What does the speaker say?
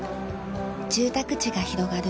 住宅地が広がる